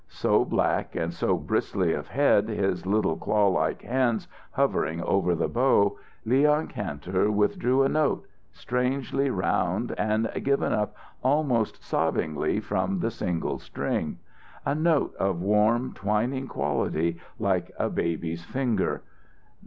So black and so bristly of head, his little clawlike hands hovering over the bow, Leon Kantor withdrew a note, strangely round and given up almost sobbingly from the single string. A note of warm twining quality, like a baby's finger.